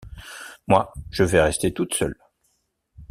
Moi, je vais rester toute seule.